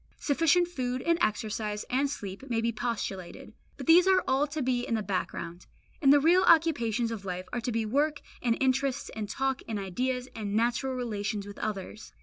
Sufficient food and exercise and sleep may be postulated; but these are all to be in the background, and the real occupations of life are to be work and interests and talk and ideas and natural relations with others.